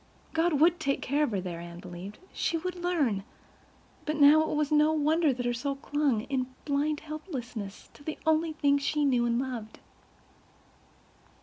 God would take care of her there—Anne believed—she would learn—but now it was no wonder her soul clung, in blind helplessness, to the only things she knew and loved.